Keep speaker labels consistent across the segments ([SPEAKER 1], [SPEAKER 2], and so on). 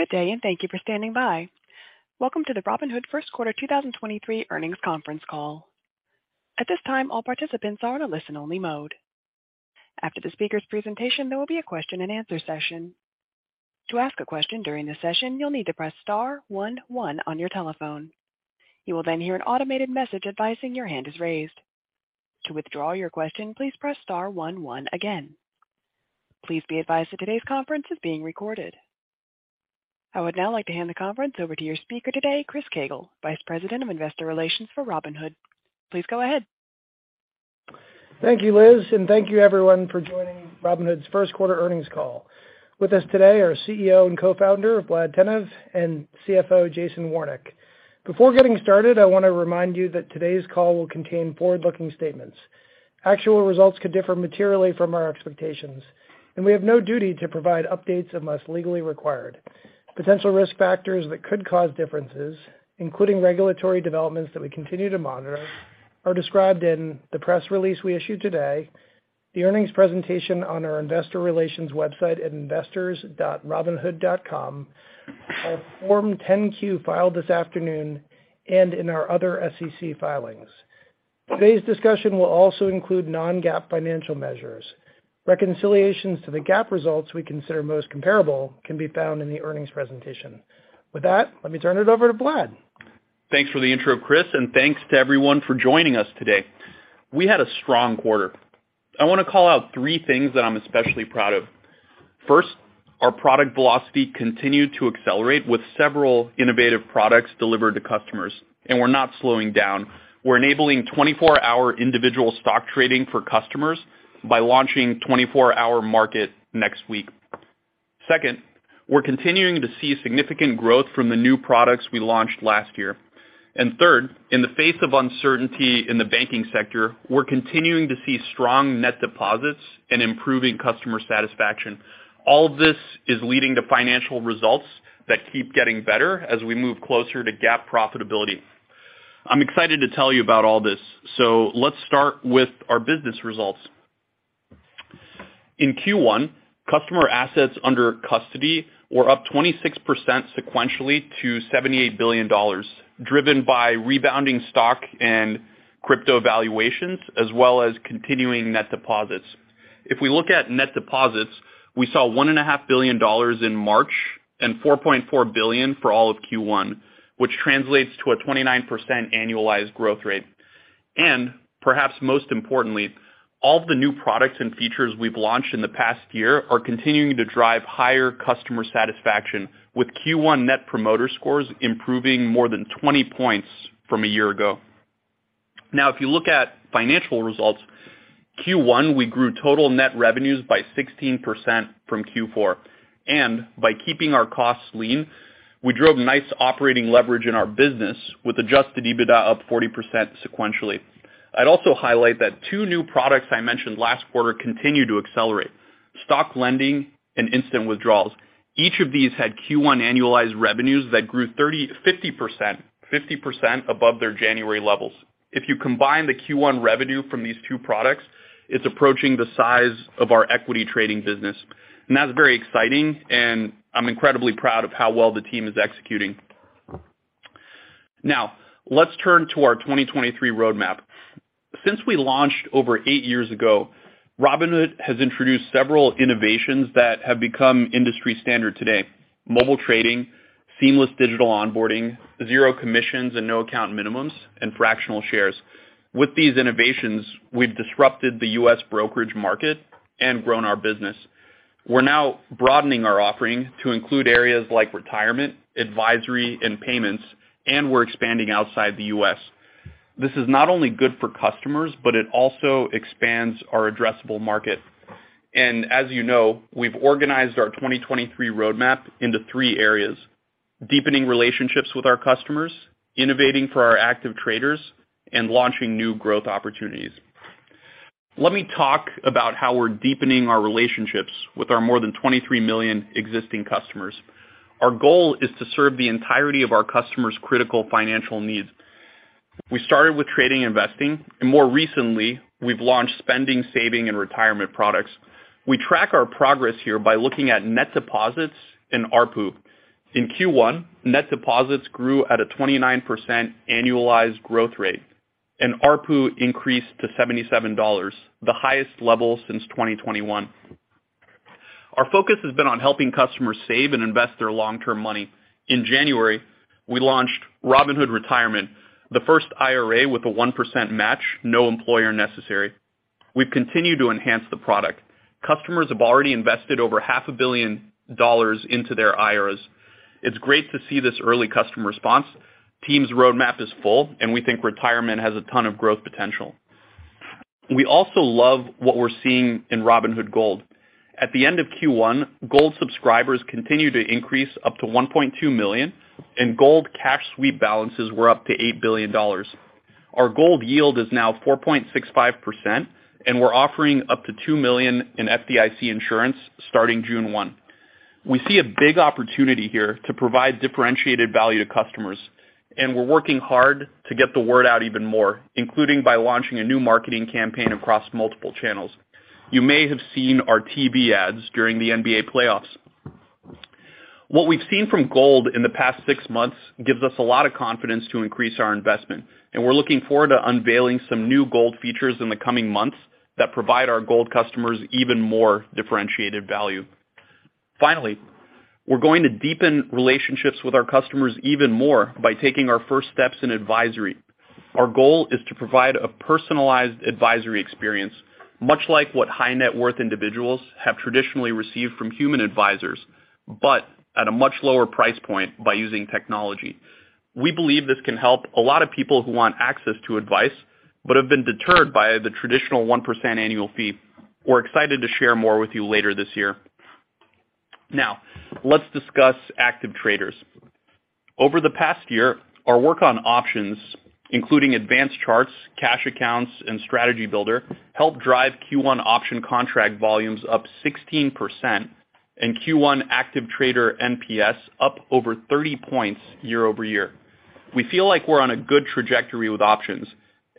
[SPEAKER 1] Good day, and thank you for standing by. Welcome to the Robinhood Q1 2023 Earnings Conference Call. At this time, all participants are on a listen-only mode. After the speaker's presentation, there will be a question-and-answer session. To ask a question during the session, you'll need to press star one one on your telephone. You will then hear an automated message advising your hand is raised. To withdraw your question, please press star one one again. Please be advised that today's conference is being recorded. I would now like to hand the conference over to your speaker today, Chris Koegel, Vice President of Investor Relations for Robinhood. Please go ahead.
[SPEAKER 2] Thank you, Liz, thank you everyone for joining Robinhood's Q1 earnings call. With us today are CEO and co-founder, Vlad Tenev, and CFO, Jason Warnick. Before getting started, I wanna remind you that today's call will contain forward-looking statements. Actual results could differ materially from our expectations, we have no duty to provide updates unless legally required. Potential risk factors that could cause differences, including regulatory developments that we continue to monitor, are described in the press release we issued today, the earnings presentation on our investor relations website at investors.robinhood.com, our Form 10-Q filed this afternoon, and in our other SEC filings. Today's discussion will also include non-GAAP financial measures. Reconciliations to the GAAP results we consider most comparable can be found in the earnings presentation. With that, let me turn it over to Vlad.
[SPEAKER 3] Thanks for the intro, Chris, and thanks to everyone for joining us today. We had a strong quarter. I wanna call out three things that I'm especially proud of. First, our product velocity continued to accelerate with several innovative products delivered to customers, and we're not slowing down. We're enabling 24-hour individual stock trading for customers by launching 24 Hour Market next week. Second, we're continuing to see significant growth from the new products we launched last year. Third, in the face of uncertainty in the banking sector, we're continuing to see strong net deposits and improving customer satisfaction. All of this is leading to financial results that keep getting better as we move closer to GAAP profitability. I'm excited to tell you about all this, so let's start with our business results. In Q1, customer assets under custody were up 26% sequentially to $78 billion, driven by rebounding stock and crypto valuations as well as continuing net deposits. If we look at net deposits, we saw one and a half billion dollars in March and $4.4 billion for all of Q1, which translates to a 29% annualized growth rate. Perhaps most importantly, all of the new products and features we've launched in the past year are continuing to drive higher customer satisfaction, with Q1 Net Promoter Scores improving more than 20 points from a year ago. If you look at financial results, Q1, we grew total net revenues by 16% from Q4, and by keeping our costs lean, we drove nice operating leverage in our business with adjusted EBITDA up 40% sequentially. I'd also highlight that two new products I mentioned last quarter continue to accelerate: stock lending and instant withdrawals. Each of these had Q1 annualized revenues that grew 50%. 50% above their January levels. If you combine the Q1 revenue from these two products, it's approaching the size of our equity trading business, and that's very exciting, and I'm incredibly proud of how well the team is executing. Let's turn to our 2023 roadmap. Since we launched over eight years ago, Robinhood has introduced several innovations that have become industry standard today: mobile trading, seamless digital onboarding, zero commissions and no account minimums, and fractional shares. With these innovations, we've disrupted the U.S. brokerage market and grown our business. We're now broadening our offering to include areas like retirement, advisory, and payments, and we're expanding outside the U.S. This is not only good for customers, but it also expands our addressable market. As you know, we've organized our 2023 roadmap into three areas: deepening relationships with our customers, innovating for our active traders, and launching new growth opportunities. Let me talk about how we're deepening our relationships with our more than 23 million existing customers. Our goal is to serve the entirety of our customers' critical financial needs. We started with trading investing, and more recently, we've launched spending, saving, and retirement products. We track our progress here by looking at net deposits and ARPU. In Q1, net deposits grew at a 29% annualized growth rate, and ARPU increased to $77, the highest level since 2021. Our focus has been on helping customers save and invest their long-term money. In January, we launched Robinhood Retirement, the first IRA with a 1% match, no employer necessary. We've continued to enhance the product. Customers have already invested over half a billion dollars into their IRAs. It's great to see this early customer response. Team's roadmap is full. We think retirement has a ton of growth potential. We also love what we're seeing in Robinhood Gold. At the end of Q1, Gold subscribers continued to increase up to $1.2 million. Gold cash sweep balances were up to $8 billion. Our Gold yield is now 4.65%. We're offering up to $2 million in FDIC insurance starting June 1. We see a big opportunity here to provide differentiated value to customers. We're working hard to get the word out even more, including by launching a new marketing campaign across multiple channels. You may have seen our TV ads during the NBA playoffs. What we've seen from Gold in the past 6 months gives us a lot of confidence to increase our investment, and we're looking forward to unveiling some new Gold features in the coming months that provide our Gold customers even more differentiated value. We're going to deepen relationships with our customers even more by taking our first steps in advisory. Our goal is to provide a personalized advisory experience, much like what high-net-worth individuals have traditionally received from human advisors, but at a much lower price point by using technology. We believe this can help a lot of people who want access to advice, but have been deterred by the traditional 1% annual fee. We're excited to share more with you later this year. Let's discuss active traders. Over the past year, our work on options, including advanced charts, cash accounts, and strategy builder, helped drive Q1 option contract volumes up 16% and Q1 active trader NPS up over 30 points year-over-year. We feel like we're on a good trajectory with options,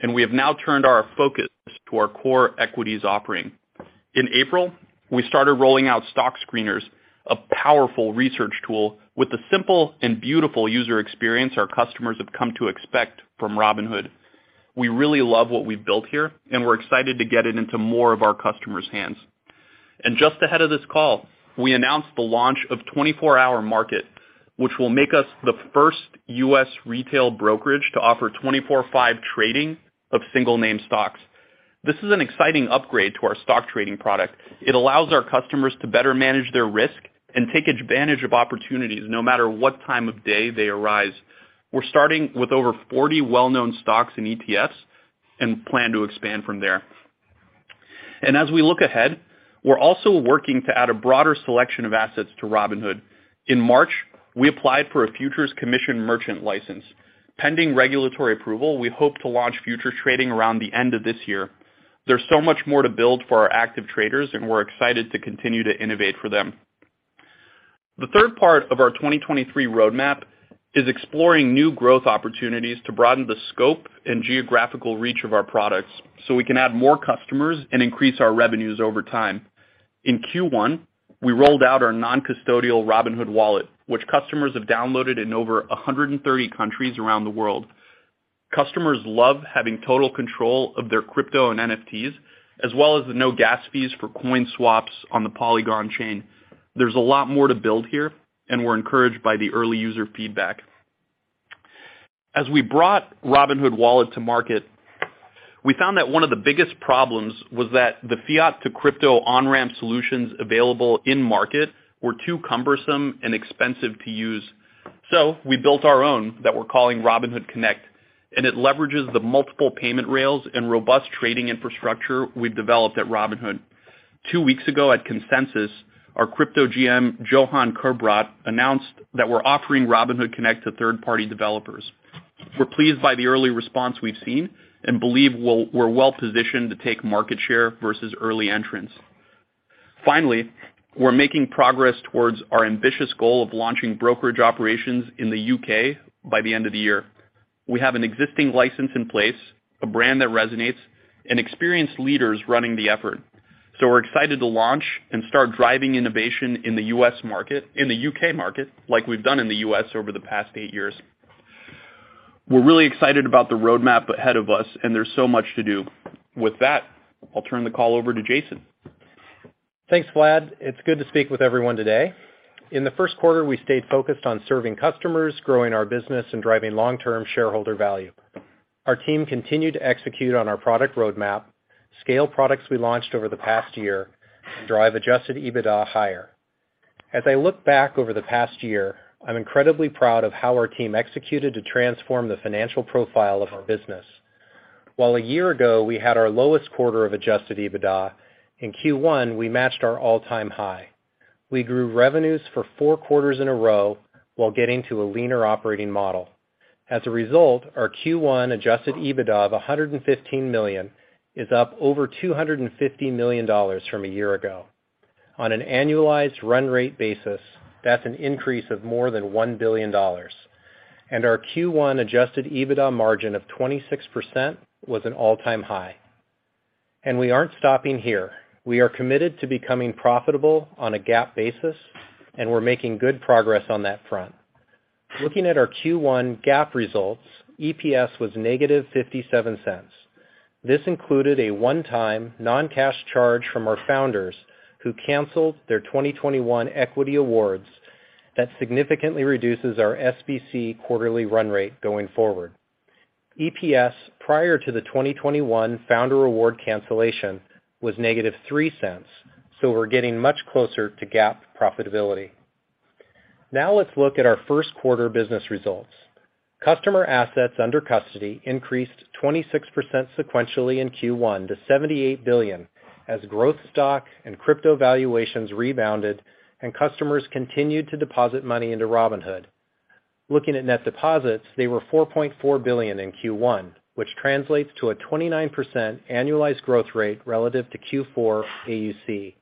[SPEAKER 3] and we have now turned our focus to our core equities offering. In April, we started rolling out stock screeners, a powerful research tool with the simple and beautiful user experience our customers have come to expect from Robinhood. We really love what we've built here, and we're excited to get it into more of our customers' hands. Just ahead of this call, we announced the launch of 24 Hour Market, which will make us the first US retail brokerage to offer 24/5 trading of single name stocks. This is an exciting upgrade to our stock trading product. It allows our customers to better manage their risk and take advantage of opportunities no matter what time of day they arise. We're starting with over 40 well-known stocks and ETFs and plan to expand from there. As we look ahead, we're also working to add a broader selection of assets to Robinhood. In March, we applied for a futures commission merchant license. Pending regulatory approval, we hope to launch futures trading around the end of this year. There's so much more to build for our active traders, and we're excited to continue to innovate for them. The third part of our 2023 roadmap is exploring new growth opportunities to broaden the scope and geographical reach of our products, so we can add more customers and increase our revenues over time. In Q1, we rolled out our non-custodial Robinhood Wallet, which customers have downloaded in over 130 countries around the world. Customers love having total control of their crypto and NFTs, as well as the no gas fees for coin swaps on the Polygon chain. There's a lot more to build here, and we're encouraged by the early user feedback. As we brought Robinhood Wallet to market, we found that one of the biggest problems was that the fiat to crypto on-ramp solutions available in market were too cumbersome and expensive to use. We built our own that we're calling Robinhood Connect, and it leverages the multiple payment rails and robust trading infrastructure we've developed at Robinhood. Two weeks ago at Consensus, our crypto GM, Johann Kerbrat, announced that we're offering Robinhood Connect to third-party developers. We're pleased by the early response we've seen and believe we're well-positioned to take market share versus early entrants. Finally, we're making progress towards our ambitious goal of launching brokerage operations in the U.K. by the end of the year. We have an existing license in place, a brand that resonates, and experienced leaders running the effort. We're excited to launch and start driving innovation in the U.K. market like we've done in the U.S. over the past eight years. We're really excited about the roadmap ahead of us. There's so much to do. With that, I'll turn the call over to Jason.
[SPEAKER 4] Thanks, Vlad. It's good to speak with everyone today. In the Q1, we stayed focused on serving customers, growing our business, and driving long-term shareholder value. Our team continued to execute on our product roadmap, scale products we launched over the past year, and drive adjusted EBITDA higher. As I look back over the past year, I'm incredibly proud of how our team executed to transform the financial profile of our business. While a year ago, we had our lowest quarter of adjusted EBITDA, in Q1, we matched our all-time high. We grew revenues for four quarters in a row while getting to a leaner operating model. As a result, our Q1 adjusted EBITDA of $115 million is up over $250 million from a year ago. On an annualized run rate basis, that's an increase of more than $1 billion. Our Q1 adjusted EBITDA margin of 26% was an all-time high. We aren't stopping here. We are committed to becoming profitable on a GAAP basis, and we're making good progress on that front. Looking at our Q1 GAAP results, EPS was -$0.57. This included a one-time non-cash charge from our founders who canceled their 2021 equity awards that significantly reduces our SBC quarterly run rate going forward. EPS prior to the 2021 founder award cancellation was -$0.03. We're getting much closer to GAAP profitability. Let's look at our Q1 business results. Customer assets under custody increased 26% sequentially in Q1 to $78 billion as growth stock and crypto valuations rebounded and customers continued to deposit money into Robinhood. Looking at net deposits, they were $4.4 billion in Q1, which translates to a 29% annualized growth rate relative to Q4 AUC.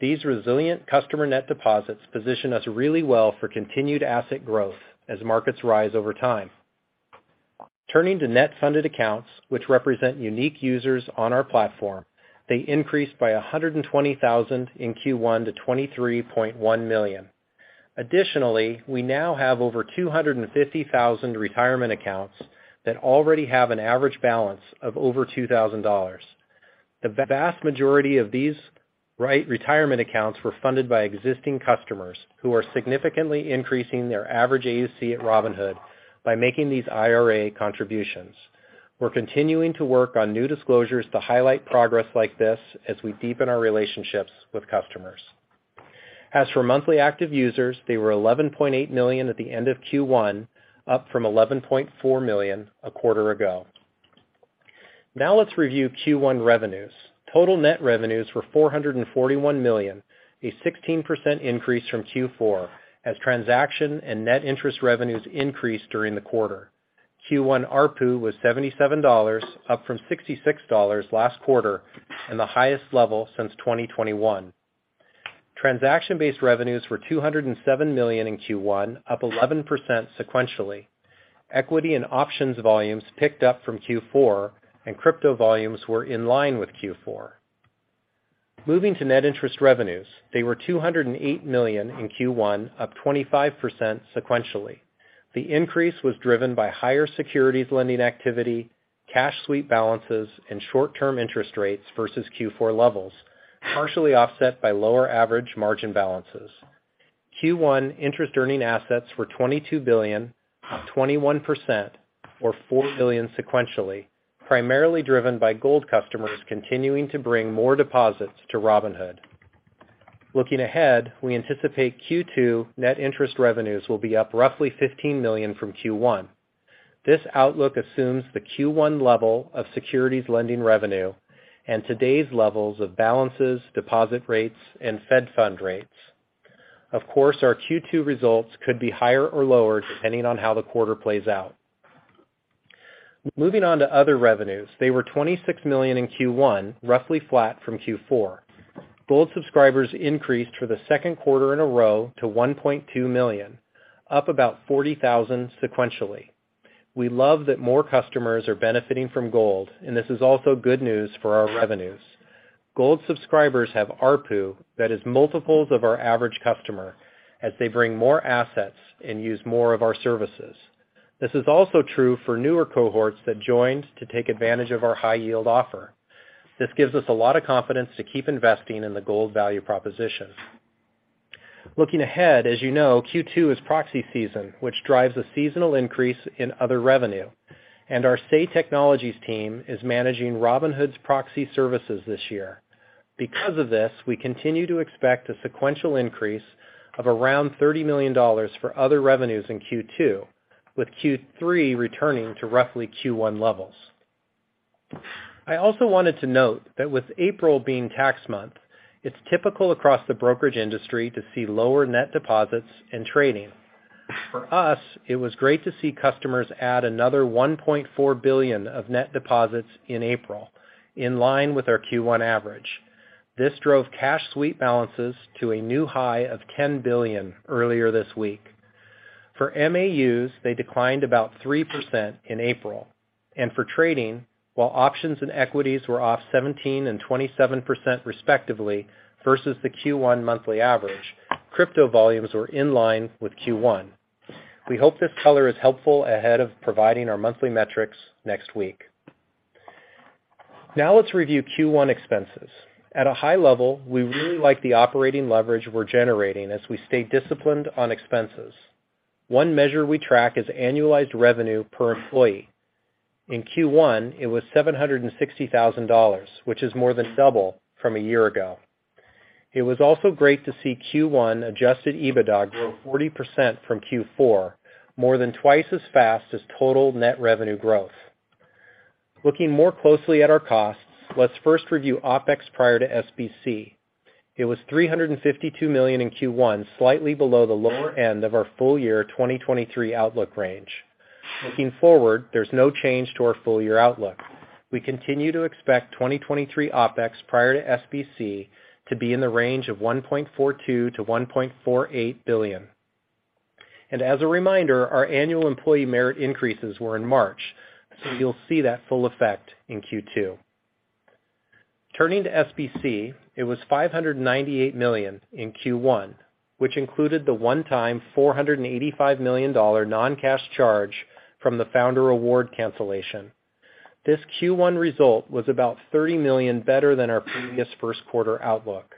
[SPEAKER 4] These resilient customer net deposits position us really well for continued asset growth as markets rise over time. Turning to net funded accounts, which represent unique users on our platform, they increased by 120,000 in Q1 to 23.1 million. Additionally, we now have over 250,000 retirement accounts that already have an average balance of over $2,000. The vast majority of these retirement accounts were funded by existing customers who are significantly increasing their average AUC at Robinhood by making these IRA contributions. We're continuing to work on new disclosures to highlight progress like this as we deepen our relationships with customers. As for monthly active users, they were 11.8 million at the end of Q1, up from 11.4 million a quarter ago. Let's review Q1 revenues. Total net revenues were $441 million, a 16% increase from Q4 as transaction and net interest revenues increased during the quarter. Q1 ARPU was $77, up from $66 last quarter, and the highest level since 2021. Transaction-based revenues were $207 million in Q1, up 11% sequentially. Equity and options volumes picked up from Q4, and crypto volumes were in line with Q4. Moving to net interest revenues, they were $208 million in Q1, up 25% sequentially. The increase was driven by higher securities lending activity, cash sweep balances, and short-term interest rates versus Q4 levels, partially offset by lower average margin balances. Q1 interest earning assets were $22 billion, up 21%, or $4 billion sequentially, primarily driven by Gold customers continuing to bring more deposits to Robinhood. Looking ahead, we anticipate Q2 net interest revenues will be up roughly $15 million from Q1. This outlook assumes the Q1 level of securities lending revenue and today's levels of balances, deposit rates, and federal funds rate. Of course, our Q2 results could be higher or lower depending on how the quarter plays out. Moving on to other revenues, they were $26 million in Q1, roughly flat from Q4. Gold subscribers increased for the Q2 in a row to 1.2 million, up about 40,000 sequentially. We love that more customers are benefiting from Gold, and this is also good news for our revenues. Gold subscribers have ARPU that is multiples of our average customer as they bring more assets and use more of our services. This is also true for newer cohorts that joined to take advantage of our high-yield offer. This gives us a lot of confidence to keep investing in the Gold value proposition. Looking ahead, as you know, Q2 is proxy season, which drives a seasonal increase in other revenue, and our Say Technologies team is managing Robinhood's proxy services this year. We continue to expect a sequential increase of around $30 million for other revenues in Q2, with Q3 returning to roughly Q1 levels. I also wanted to note that with April being tax month, it's typical across the brokerage industry to see lower net deposits and trading. For us, it was great to see customers add another $1.4 billion of net deposits in April, in line with our Q1 average. This drove cash sweep balances to a new high of $10 billion earlier this week. For MAUs, they declined about 3% in April. For trading, while options and equities were off 17% and 27%, respectively, versus the Q1 monthly average, crypto volumes were in line with Q1. We hope this color is helpful ahead of providing our monthly metrics next week. Let's review Q1 expenses. At a high level, we really like the operating leverage we're generating as we stay disciplined on expenses. One measure we track is annualized revenue per employee. In Q1, it was $760,000, which is more than double from a year ago. It was also great to see Q1 adjusted EBITDA grow 40% from Q4, more than twice as fast as total net revenue growth. Looking more closely at our costs, let's first review OpEx prior to SBC. It was $352 million in Q1, slightly below the lower end of our full year 2023 outlook range. Looking forward, there's no change to our full year outlook. We continue to expect 2023 OpEx prior to SBC to be in the range of $1.42-$1.48 billion. As a reminder, our annual employee merit increases were in March, so you'll see that full effect in Q2. Turning to SBC, it was $598 million in Q1, which included the one-time $485 million non-cash charge from the founder award cancellation. This Q1 result was about $30 million better than our previous Q1 outlook.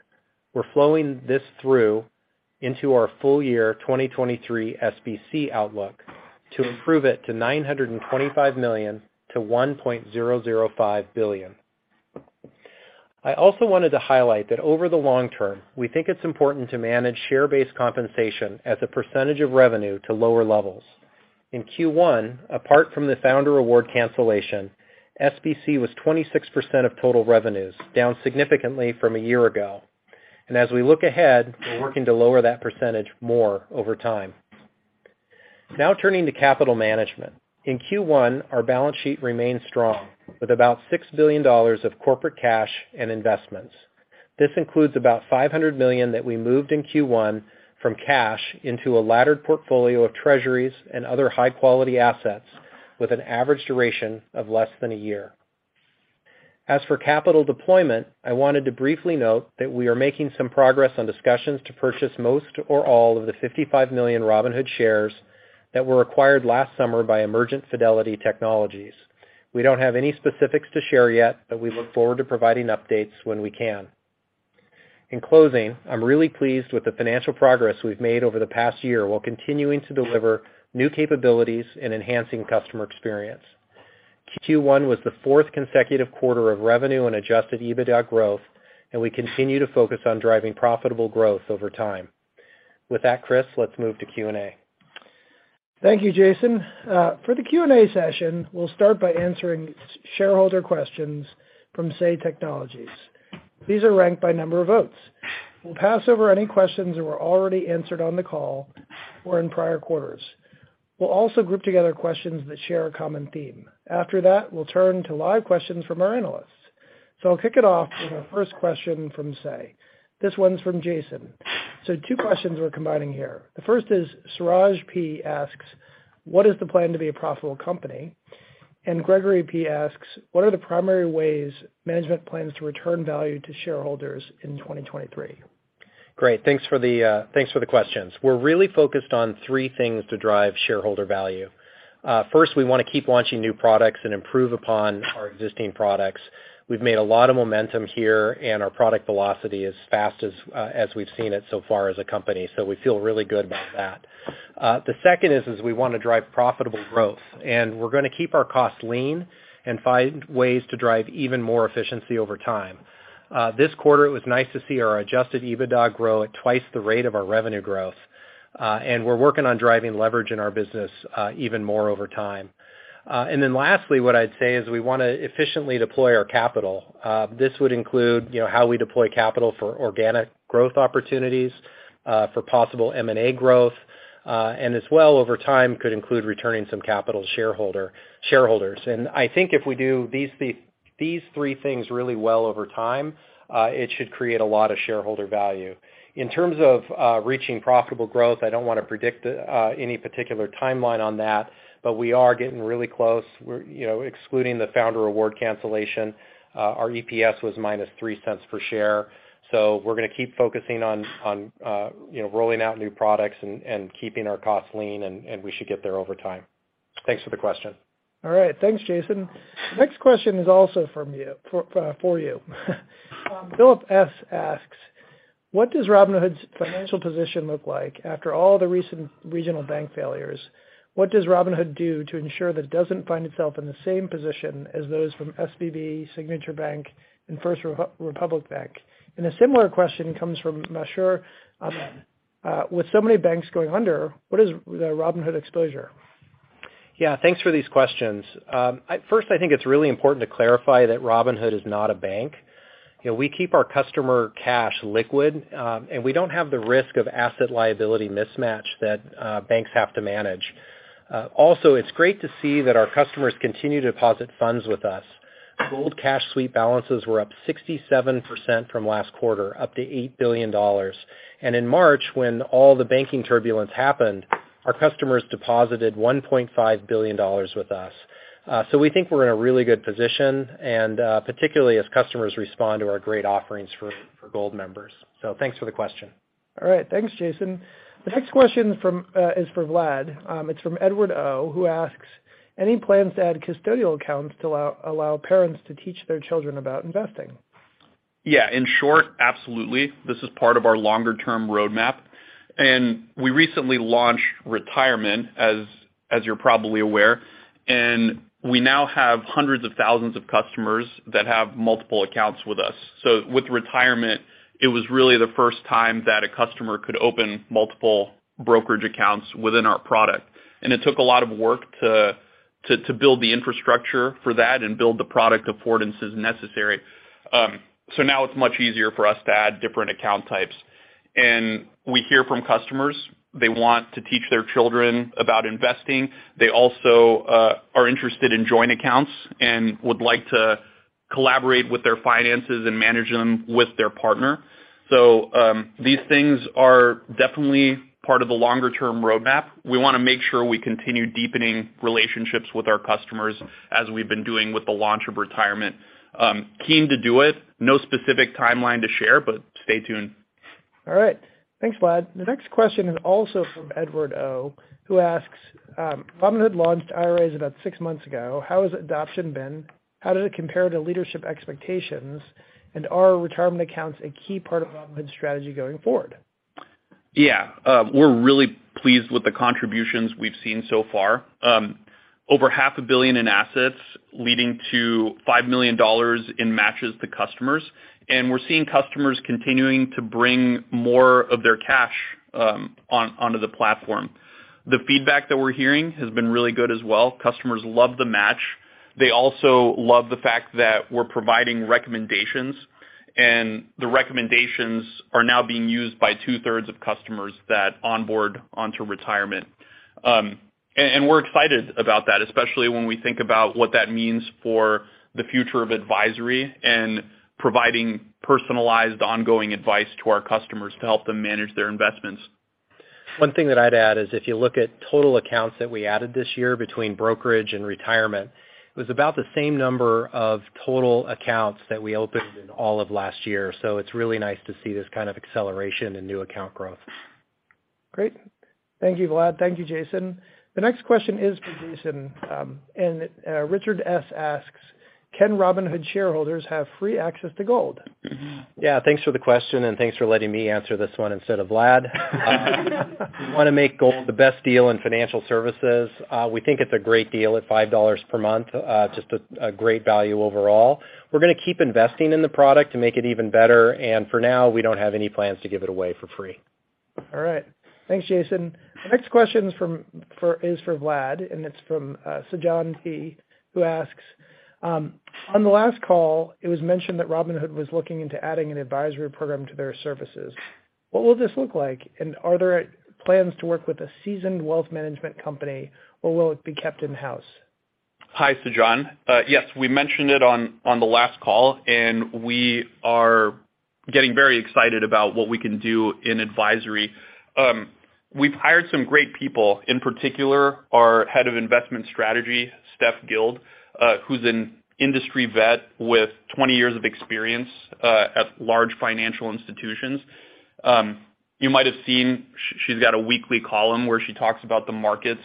[SPEAKER 4] We're flowing this through into our full year 2023 SBC outlook to improve it to $925 million-$1.005 billion. I also wanted to highlight that over the long term, we think it's important to manage share-based compensation as a percentage of revenue to lower levels. In Q1, apart from the founder award cancellation, SBC was 26% of total revenues, down significantly from a year ago. As we look ahead, we're working to lower that percentage more over time. Now turning to capital management. In Q1, our balance sheet remained strong with about $6 billion of corporate cash and investments. This includes about $500 million that we moved in Q1 from cash into a laddered portfolio of treasuries and other high-quality assets with an average duration of less than a year. As for capital deployment, I wanted to briefly note that we are making some progress on discussions to purchase most or all of the 55 million Robinhood shares that were acquired last summer by Emergent Fidelity Technologies. We don't have any specifics to share yet, but we look forward to providing updates when we can. In closing, I'm really pleased with the financial progress we've made over the past year, while continuing to deliver new capabilities and enhancing customer experience. Q1 was the fourth consecutive quarter of revenue and adjusted EBITDA growth, and we continue to focus on driving profitable growth over time. With that, Chris, let's move to Q&A.
[SPEAKER 2] Thank you, Jason. For the Q&A session, we'll start by answering shareholder questions from Say Technologies. These are ranked by number of votes. We'll pass over any questions that were already answered on the call or in prior quarters. We'll also group together questions that share a common theme. After that, we'll turn to live questions from our analysts. I'll kick it off with our first question from Say. This one's from Jason. Two questions we're combining here. The first is, Siraj P. asks, "What is the plan to be a profitable company?" Gregory P. asks, "What are the primary ways management plans to return value to shareholders in 2023?
[SPEAKER 4] Great. Thanks for the questions. We're really focused on three things to drive shareholder value. First, we wanna keep launching new products and improve upon our existing products. We've made a lot of momentum here, and our product velocity is fast as we've seen it so far as a company. We feel really good about that. The second is we wanna drive profitable growth, and we're gonna keep our costs lean and find ways to drive even more efficiency over time. This quarter, it was nice to see our adjusted EBITDA grow at twice the rate of our revenue growth, and we're working on driving leverage in our business even more over time. Lastly, what I'd say is we wanna efficiently deploy our capital. This would include, you know, how we deploy capital for organic growth opportunities, for possible M&A growth, and as well over time could include returning some capital shareholders. I think if we do these 3 things really well over time, it should create a lot of shareholder value. In terms of reaching profitable growth, I don't wanna predict any particular timeline on that, but we are getting really close. We're, you know, excluding the founder award cancellation, our EPS was -$0.03 per share. We're gonna keep focusing on, you know, rolling out new products and keeping our costs lean, and we should get there over time. Thanks for the question.
[SPEAKER 2] All right. Thanks, Jason. Next question is also for you. Philip S. asks, "What does Robinhood's financial position look like after all the recent regional bank failures? What does Robinhood do to ensure that it doesn't find itself in the same position as those from SVB, Signature Bank, and First Republic Bank?" A similar question comes from Mashar, "With so many banks going under, what is the Robinhood exposure?
[SPEAKER 4] Yeah, thanks for these questions. First, I think it's really important to clarify that Robinhood is not a bank. You know, we keep our customer cash liquid, and we don't have the risk of asset liability mismatch that banks have to manage. Also, it's great to see that our customers continue to deposit funds with us. Gold cash sweep balances were up 67% from last quarter, up to $8 billion. In March, when all the banking turbulence happened, our customers deposited $1.5 billion with us. So we think we're in a really good position, and particularly as customers respond to our great offerings for Gold members. Thanks for the question.
[SPEAKER 2] All right. Thanks, Jason. The next question from, is for Vlad. It's from Edward O., who asks, "Any plans to add custodial accounts to allow parents to teach their children about investing?
[SPEAKER 3] Yeah. In short, absolutely. This is part of our longer term roadmap. We recently launched Retirement, as you're probably aware, and we now have hundreds of thousands of customers that have multiple accounts with us. With Retirement, it was really the first time that a customer could open multiple brokerage accounts within our product. It took a lot of work to build the infrastructure for that and build the product affordances necessary. Now it's much easier for us to add different account types. We hear from customers they want to teach their children about investing. They also are interested in joint accounts and would like to collaborate with their finances and manage them with their partner. These things are definitely part of the longer term roadmap. We wanna make sure we continue deepening relationships with our customers as we've been doing with the launch of Retirement. Keen to do it. No specific timeline to share. Stay tuned.
[SPEAKER 2] All right. Thanks, Vlad. The next question is also from Edward O., who asks, "Robinhood launched IRAs about six months ago. How has adoption been? How does it compare to leadership expectations? Are retirement accounts a key part of Robinhood's strategy going forward?
[SPEAKER 3] Yeah. We're really pleased with the contributions we've seen so far. Over half a billion in assets, leading to $5 million in matches to customers. We're seeing customers continuing to bring more of their cash onto the platform. The feedback that we're hearing has been really good as well. Customers love the match. They also love the fact that we're providing recommendations. The recommendations are now being used by two-thirds of customers that onboard onto Retirement. We're excited about that, especially when we think about what that means for the future of advisory and providing personalized ongoing advice to our customers to help them manage their investments.
[SPEAKER 4] One thing that I'd add is if you look at total accounts that we added this year between brokerage and retirement, it was about the same number of total accounts that we opened in all of last year. It's really nice to see this kind of acceleration in new account growth.
[SPEAKER 2] Great. Thank you, Vlad. Thank you, Jason. The next question is for Jason, and Richard S. asks, "Can Robinhood shareholders have free access to Gold?
[SPEAKER 4] Yeah, thanks for the question, and thanks for letting me answer this one instead of Vlad. We wanna make Gold the best deal in financial services. We think it's a great deal at $5 per month, just a great value overall. We're gonna keep investing in the product to make it even better. For now, we don't have any plans to give it away for free.
[SPEAKER 2] All right. Thanks, Jason. The next question is for Vlad, and it's from Sajan P., who asks, "On the last call, it was mentioned that Robinhood was looking into adding an advisory program to their services. What will this look like? Are there plans to work with a seasoned wealth management company, or will it be kept in-house?
[SPEAKER 3] Hi, Sajan. Yes, we mentioned it on the last call, and we are getting very excited about what we can do in advisory. We've hired some great people, in particular, our Head of Investment Strategy, Stephanie Guild, who's an industry vet with 20 years of experience at large financial institutions. You might have seen, she's got a weekly column where she talks about the markets,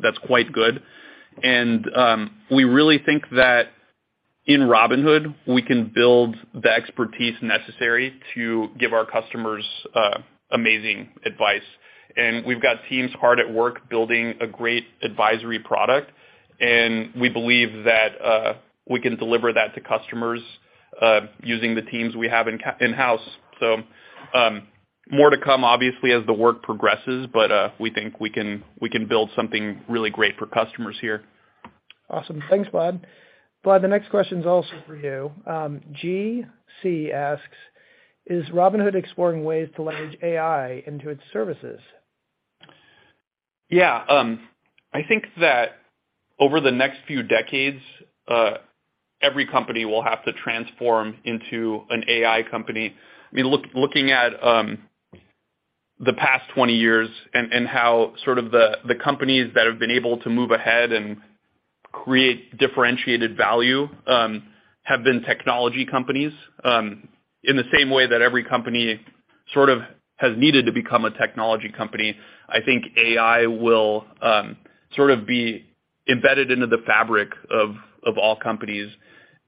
[SPEAKER 3] that's quite good. We really think that in Robinhood, we can build the expertise necessary to give our customers amazing advice. We've got teams hard at work building a great advisory product, and we believe that we can deliver that to customers using the teams we have in-house. More to come, obviously, as the work progresses, but, we think we can build something really great for customers here.
[SPEAKER 2] Awesome. Thanks, Vlad. Vlad, the next question is also for you. GC asks, "Is Robinhood exploring ways to leverage AI into its services?
[SPEAKER 3] Yeah. I think that over the next few decades, every company will have to transform into an AI company. I mean, looking at the past 20 years and how sort of the companies that have been able to move ahead and create differentiated value have been technology companies, in the same way that every company sort of has needed to become a technology company. I think AI will sort of be embedded into the fabric of all companies,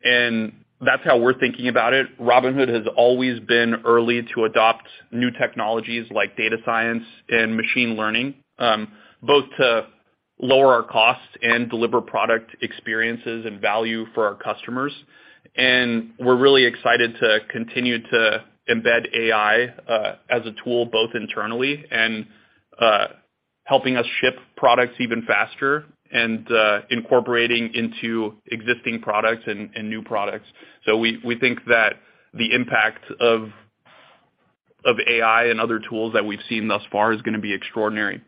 [SPEAKER 3] and that's how we're thinking about it. Robinhood has always been early to adopt new technologies like data science and machine learning, both to lower our costs and deliver product experiences and value for our customers. We're really excited to continue to embed AI as a tool, both internally and helping us ship products even faster and incorporating into existing products and new products. We think that the impact of AI and other tools that we've seen thus far is gonna be extraordinary.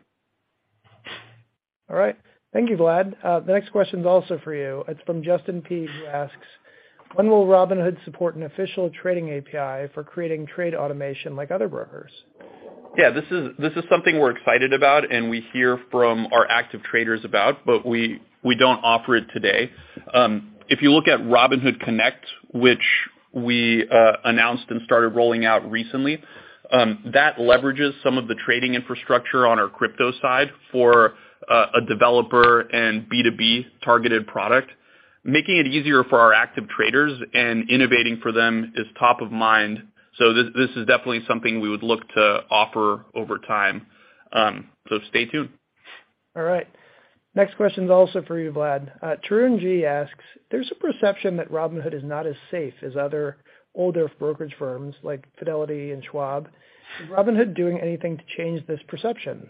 [SPEAKER 2] All right. Thank you, Vlad. The next question is also for you. It's from Justin P., who asks, "When will Robinhood support an official trading API for creating trade automation like other brokers?
[SPEAKER 3] Yeah, this is something we're excited about, and we hear from our active traders about, but we don't offer it today. If you look at Robinhood Connect, which we announced and started rolling out recently, that leverages some of the trading infrastructure on our crypto side for a developer and B2B targeted product. Making it easier for our active traders and innovating for them is top of mind. This is definitely something we would look to offer over time. Stay tuned.
[SPEAKER 2] All right. Next question is also for you, Vlad. Tarun G. asks, "There's a perception that Robinhood is not as safe as other older brokerage firms like Fidelity and Schwab. Is Robinhood doing anything to change this perception?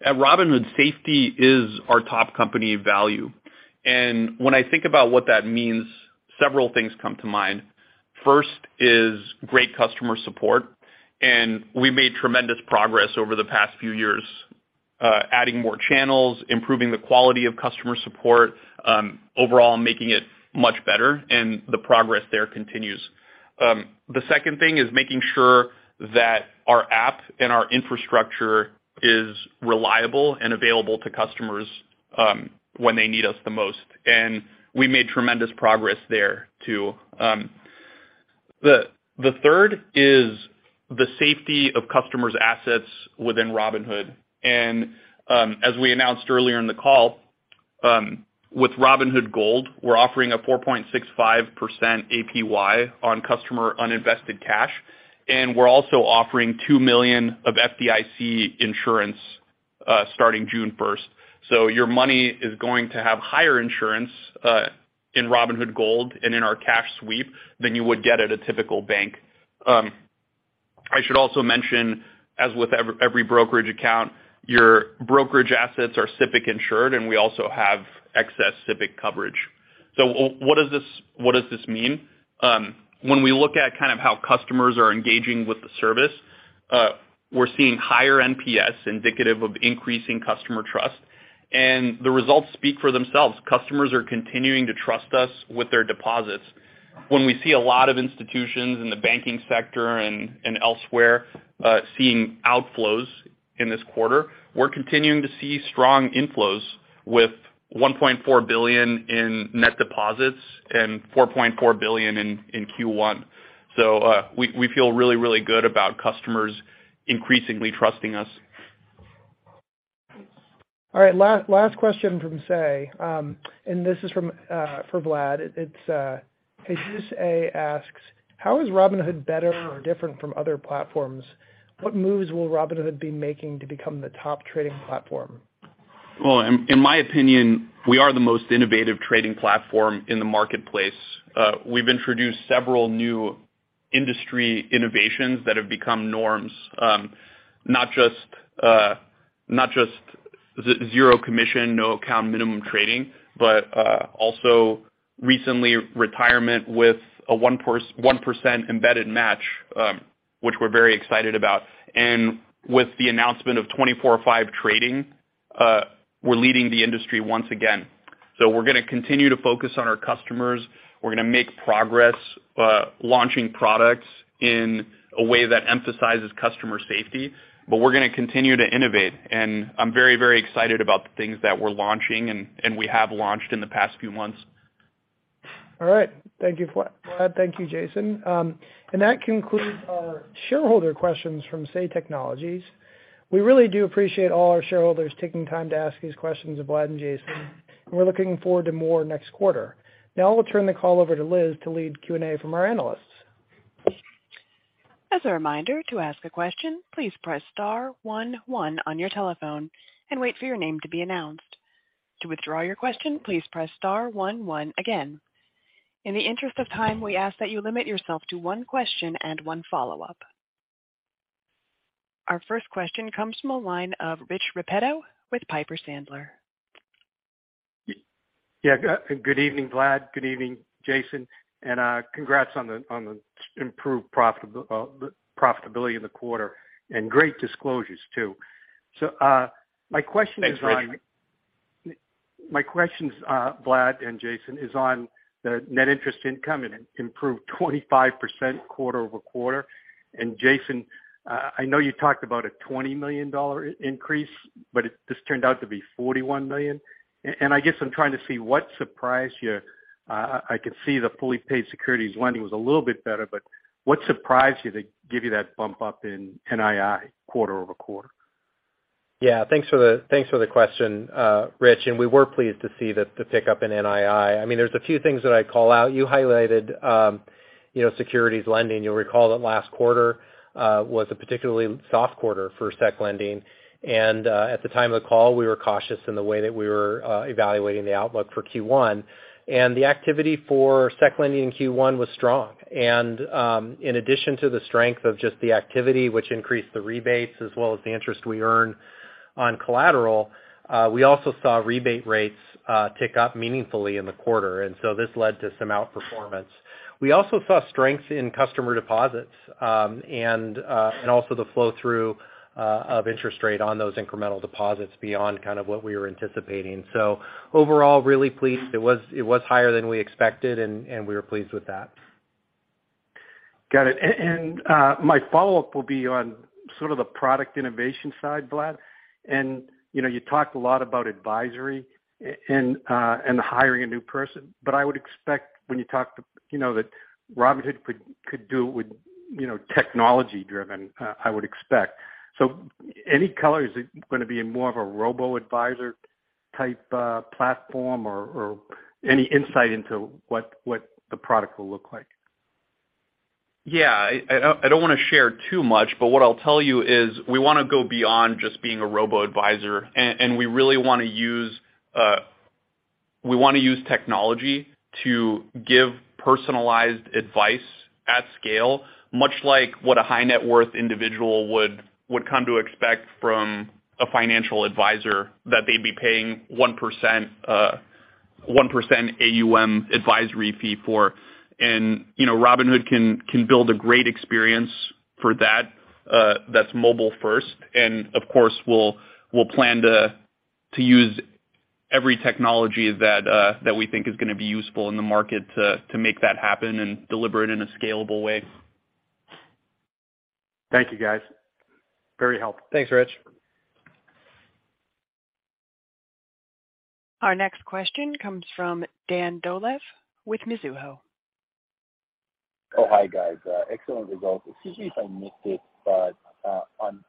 [SPEAKER 3] At Robinhood, safety is our top company value. When I think about what that means, several things come to mind. First is great customer support, and we made tremendous progress over the past few years, adding more channels, improving the quality of customer support, overall making it much better, and the progress there continues. The second thing is making sure that our app and our infrastructure is reliable and available to customers, when they need us the most. We made tremendous progress there too. The third is the safety of customers' assets within Robinhood. As we announced earlier in the call, with Robinhood Gold, we're offering a 4.65% APY on customer uninvested cash, and we're also offering $2 million of FDIC insurance, starting June 1st. Your money is going to have higher insurance in Robinhood Gold and in our cash sweep than you would get at a typical bank. I should also mention, as with every brokerage account, your brokerage assets are SIPC insured, and we also have excess SIPC coverage. What does this mean? When we look at kind of how customers are engaging with the service, we're seeing higher NPS indicative of increasing customer trust, and the results speak for themselves. Customers are continuing to trust us with their deposits. When we see a lot of institutions in the banking sector and elsewhere, seeing outflows in this quarter, we're continuing to see strong inflows with $1.4 billion in net deposits and $4.4 billion in Q1. We feel really, really good about customers increasingly trusting us.
[SPEAKER 2] All right. Last question from Say, and this is from, for Vlad. It's, Jesus A asks, "How is Robinhood better or different from other platforms? What moves will Robinhood be making to become the top trading platform?
[SPEAKER 3] Well, in my opinion, we are the most innovative trading platform in the marketplace. We've introduced several new industry innovations that have become norms. Not just zero commission, no account minimum trading, but also recently retirement with a 1% embedded match, which we're very excited about. With the announcement of 24/5 trading, we're leading the industry once again. We're gonna continue to focus on our customers. We're gonna make progress, launching products in a way that emphasizes customer safety, but we're gonna continue to innovate. I'm very, very excited about the things that we're launching and we have launched in the past few months.
[SPEAKER 2] All right. Thank you, Vlad. Thank you, Jason. That concludes our shareholder questions from Say Technologies. We really do appreciate all our shareholders taking time to ask these questions of Vlad and Jason, and we're looking forward to more next quarter. Now, I'll turn the call over to Liz to lead Q&A from our analysts.
[SPEAKER 1] As a reminder, to ask a question, please press star one one on your telephone and wait for your name to be announced. To withdraw your question, please press star one one again. In the interest of time, we ask that you limit yourself to one question and one follow-up. Our first question comes from a line of Rich Repetto with Piper Sandler.
[SPEAKER 5] Yeah, good evening, Vlad. Good evening, Jason. Congrats on the improved profitability in the quarter, great disclosures too. My question is on-
[SPEAKER 3] Thanks, Rich.
[SPEAKER 5] My question is, Vlad and Jason, is on the net interest income. It improved 25% quarter-over-quarter. Jason, I know you talked about a $20 million increase, but this turned out to be $41 million. I guess I'm trying to see what surprised you. I can see the fully paid securities lending was a little bit better, but what surprised you to give you that bump up in NII quarter-over-quarter?
[SPEAKER 3] Thanks for the question, Rich. We were pleased to see the pickup in NII. I mean, there's a few things that I'd call out. You highlighted, you know, securities lending. You'll recall that last quarter was a particularly soft quarter for securities lending. At the time of the call, we were cautious in the way that we were evaluating the outlook for Q1. The activity for securities lending in Q1 was strong. In addition to the strength of just the activity, which increased the rebates as well as the interest we earn on collateral, we also saw rebate rates tick up meaningfully in the quarter. This led to some outperformance. We also saw strength in customer deposits, and also the flow through of interest rate on those incremental deposits beyond kind of what we were anticipating. Overall, really pleased. It was higher than we expected and we were pleased with that.
[SPEAKER 5] Got it. My follow-up will be on sort of the product innovation side, Vlad. You know, you talked a lot about advisory and hiring a new person. I would expect when you talk to, you know, that Robinhood could do with, you know, technology-driven, I would expect. Any color, is it gonna be in more of a robo-advisor type platform or any insight into what the product will look like?
[SPEAKER 3] Yeah. I don't wanna share too much, but what I'll tell you is we wanna go beyond just being a robo-advisor, and we really wanna use technology to give personalized advice at scale, much like what a high net worth individual would come to expect from a financial advisor that they'd be paying 1% AUM advisory fee for. You know, Robinhood can build a great experience for that's mobile first. Of course, we'll plan to use every technology that we think is gonna be useful in the market to make that happen and deliver it in a scalable way.
[SPEAKER 5] Thank you, guys. Very helpful.
[SPEAKER 3] Thanks, Rich.
[SPEAKER 1] Our next question comes from Dan Dolev with Mizuho.
[SPEAKER 6] Oh, hi, guys. Excellent results. Excuse me if I missed it, but on,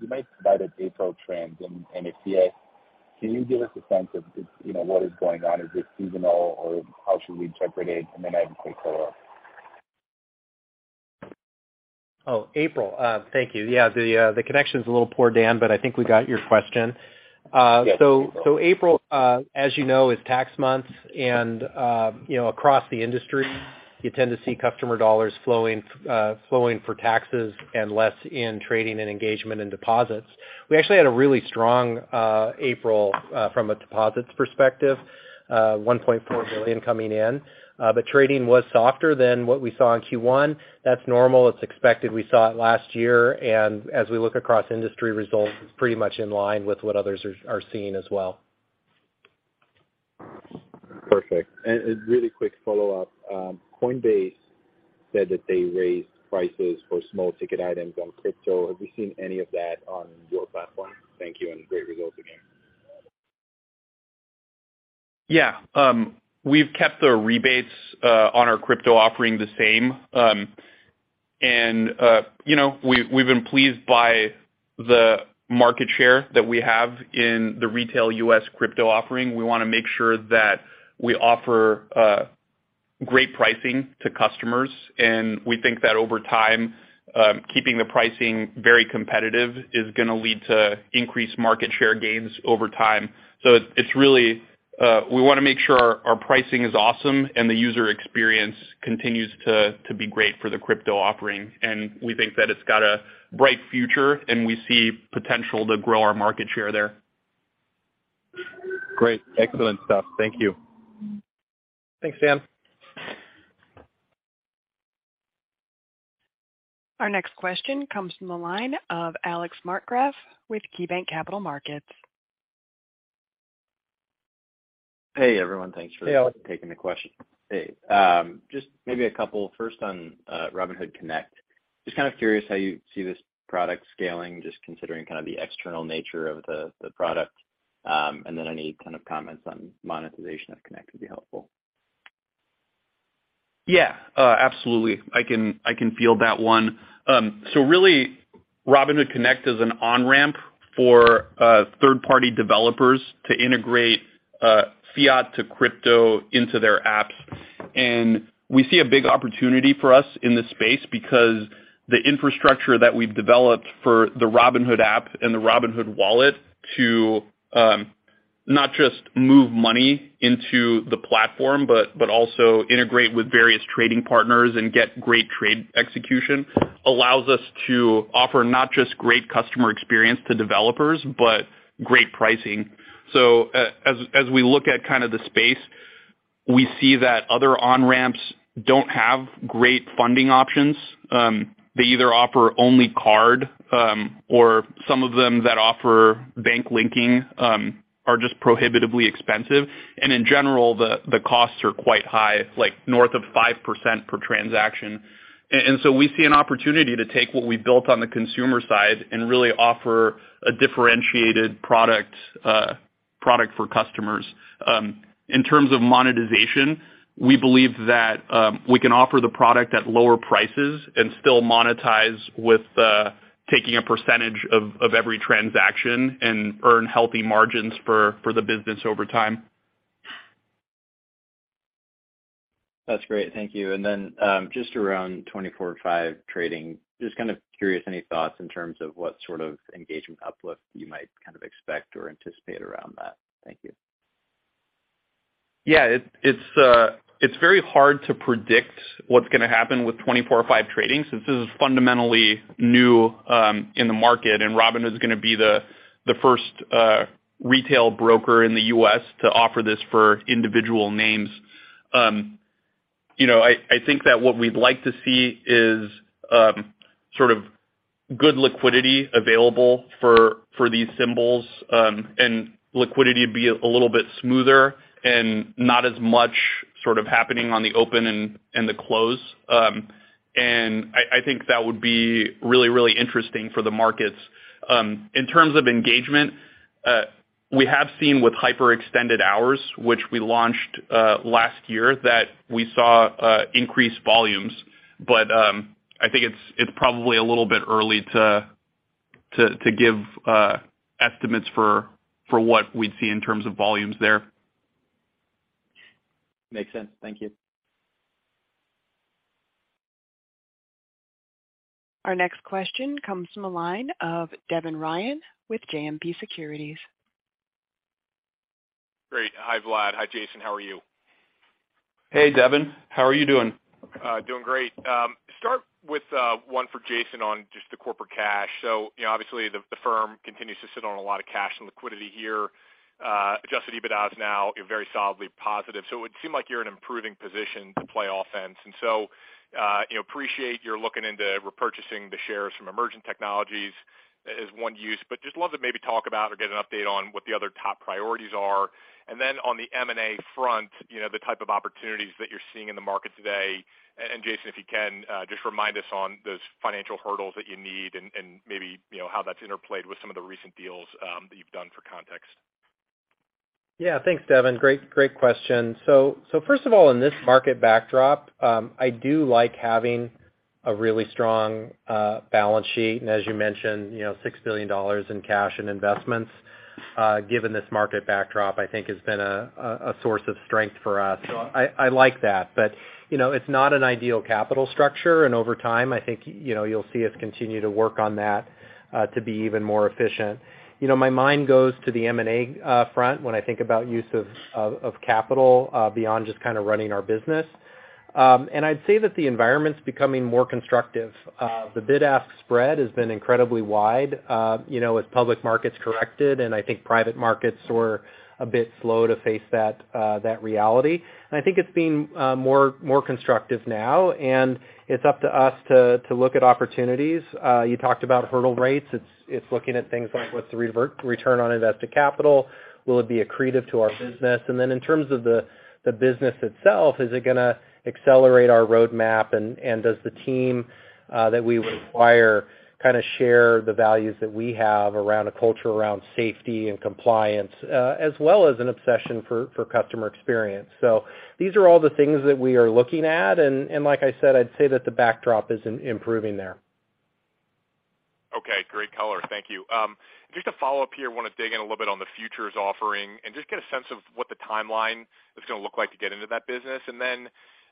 [SPEAKER 6] you might provide an April trend in FCA. Can you give us a sense of, you know, what is going on? Is this seasonal, or how should we interpret it? I have a quick follow-up.
[SPEAKER 3] April. Thank you. Yeah, the connection's a little poor, Dan Dolev, I think we got your question.
[SPEAKER 4] April, as you know, is tax month and, you know, across the industry, you tend to see customer dollars flowing for taxes and less in trading and engagement and deposits. We actually had a really strong April from a deposits perspective, $1.4 billion coming in. Trading was softer than what we saw in Q1. That's normal. It's expected. We saw it last year. As we look across industry results, it's pretty much in line with what others are seeing as well.
[SPEAKER 6] Perfect. A really quick follow-up. Coinbase said that they raised prices for small ticket items on crypto. Have you seen any of that on your platform? Thank you, great results again.
[SPEAKER 3] Yeah. We've kept the rebates on our crypto offering the same. You know, we've been pleased by the market share that we have in the retail U.S. crypto offering. We wanna make sure that we offer great pricing to customers, and we think that over time, keeping the pricing very competitive is gonna lead to increased market share gains over time. It's really, we wanna make sure our pricing is awesome and the user experience continues to be great for the crypto offering. We think that it's got a bright future, and we see potential to grow our market share there.
[SPEAKER 6] Great. Excellent stuff. Thank you.
[SPEAKER 3] Thanks, Dan.
[SPEAKER 1] Our next question comes from the line of Alex Markgraff with KeyBanc Capital Markets.
[SPEAKER 7] Hey, everyone. Thanks for-
[SPEAKER 3] Hey, Alex.
[SPEAKER 7] -taking the question. Hey, just maybe a couple. First on Robinhood Connect. Just kind of curious how you see this product scaling, just considering kind of the external nature of the product, and then any kind of comments on monetization of Connect would be helpful.
[SPEAKER 3] Absolutely. I can field that one. Really, Robinhood Connect is an on-ramp for third-party developers to integrate fiat to crypto into their apps. We see a big opportunity for us in this space because the infrastructure that we've developed for the Robinhood app and the Robinhood Wallet to not just move money into the platform, but also integrate with various trading partners and get great trade execution, allows us to offer not just great customer experience to developers, but great pricing. As we look at kind of the space, we see that other on-ramps don't have great funding options. They either offer only card, or some of them that offer bank linking are just prohibitively expensive. In general, the costs are quite high, like north of 5% per transaction. We see an opportunity to take what we built on the consumer side and really offer a differentiated product for customers. In terms of monetization, we believe that we can offer the product at lower prices and still monetize with taking a percentage of every transaction and earn healthy margins for the business over time.
[SPEAKER 7] That's great. Thank you. Just around 24/5 trading, just kind of curious, any thoughts in terms of what sort of engagement uplift you might kind of expect or anticipate around that? Thank you.
[SPEAKER 3] Yeah. It's very hard to predict what's gonna happen with 24/5 trading since this is fundamentally new, in the market, and Robinhood is gonna be the first retail broker in the U.S. to offer this for individual names. You know, I think that what we'd like to see is sort of good liquidity available for these symbols, and liquidity be a little bit smoother and not as much sort of happening on the open and the close. I think that would be really interesting for the markets. In terms of engagement, we have seen with hyper-extended hours, which we launched last year, that we saw increased volumes. I think it's probably a little bit early to give estimates for what we'd see in terms of volumes there.
[SPEAKER 7] Makes sense. Thank you.
[SPEAKER 1] Our next question comes from a line of Devin Ryan with JMP Securities.
[SPEAKER 8] Great. Hi, Vlad. Hi, Jason. How are you?
[SPEAKER 4] Hey, Devin. How are you doing?
[SPEAKER 8] Doing great. Start with one for Jason on just the corporate cash. You know, obviously the firm continues to sit on a lot of cash and liquidity here. Adjusted EBITDA is now, you know, very solidly positive. It would seem like you're in improving position to play offense. You know, appreciate you're looking into repurchasing the shares from Emergent Fidelity Technologies as one use. Just love to maybe talk about or get an update on what the other top priorities are. On the M&A front, you know, the type of opportunities that you're seeing in the market today. Jason, if you can, just remind us on those financial hurdles that you need and maybe, you know, how that's interplayed with some of the recent deals that you've done for context?
[SPEAKER 4] Yeah. Thanks, Devin. Great question. First of all, in this market backdrop, I do like having a really strong balance sheet. As you mentioned, you know, $6 billion in cash and investments, given this market backdrop, I think has been a source of strength for us. I like that. You know, it's not an ideal capital structure, and over time, I think, you know, you'll see us continue to work on that to be even more efficient. You know, my mind goes to the M&A front when I think about use of capital beyond just kind of running our business. I'd say that the environment's becoming more constructive. The bid-ask spread has been incredibly wide, you know, as public markets corrected, and I think private markets were a bit slow to face that reality. I think it's been more constructive now, and it's up to us to look at opportunities. You talked about hurdle rates. It's looking at things like what's the return on invested capital? Will it be accretive to our business? In terms of the business itself, is it gonna accelerate our roadmap? Does the team that we require kinda share the values that we have around a culture, around safety and compliance, as well as an obsession for customer experience? These are all the things that we are looking at. Like I said, I'd say that the backdrop is improving there.
[SPEAKER 8] Okay, great color. Thank you. Just to follow up here, wanna dig in a little bit on the futures offering and just get a sense of what the timeline is gonna look like to get into that